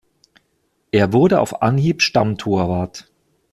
Er wurde auf Anhieb Stammtorwart.